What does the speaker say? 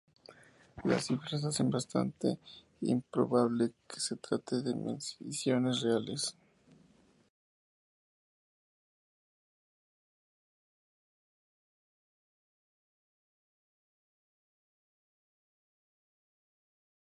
En ocasiones, se aproxima al animal deslizándose y, finalmente, ataca rápidamente.